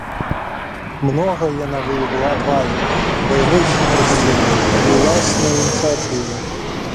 Многа яна выявіла адвагі, баявой хітрасці і ўласнай ініцыятывы.